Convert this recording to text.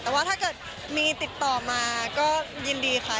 แต่ว่าถ้าเกิดมีติดต่อมาก็ยินดีค่ะ